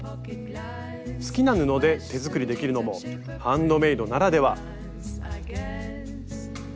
好きな布で手作りできるのもハンドメイドならでは。